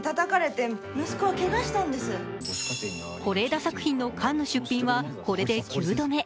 是枝作品のカンヌ出品はこれで９度目。